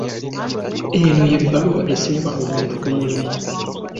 Eno y'ebbaluwa esemba omuntu ku mulimu.